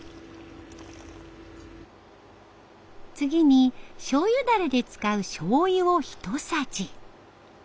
次にしょうゆダレで使うしょうゆをひとさじ。